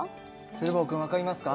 鶴房君分かりますか？